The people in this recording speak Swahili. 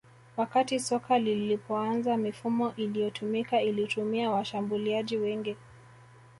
Wakati soka lilipoanza mifumo iliyotumika ilitumia washambuliaji wengi